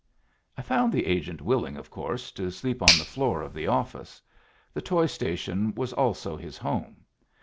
I found the agent willing, of course, to sleep on the floor of the office. The toy station was also his home.